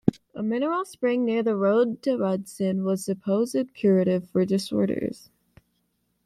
A mineral spring near the road to Rudston, was supposed curative for disorders.